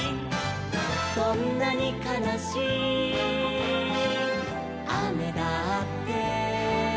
「どんなにかなしいあめだって」